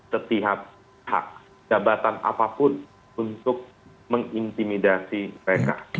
setiap hak jabatan apapun untuk mengintimidasi mereka